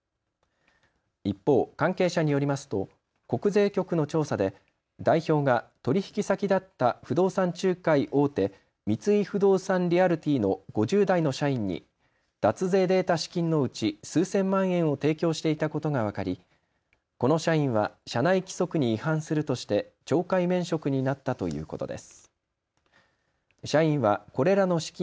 一方、関係者によりますと国税局の調査で代表が取引先だった不動産仲介大手、三井不動産リアルティの５０代の社員に脱税で得た資金のうち数千万円を提供していたことが分かり、この社員は社内規則に違反するとして懲戒免職になったということです。